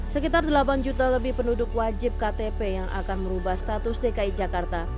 sekitar delapan juta lebih penduduk wajib ktp yang akan merubah status dki jakarta